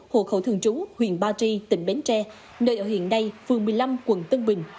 hộ khẩu thường trú huyện ba tri tỉnh bến tre nơi ở hiện nay phường một mươi năm quận tân bình